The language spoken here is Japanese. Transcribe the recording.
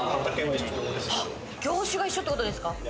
業種が一緒ってことですか？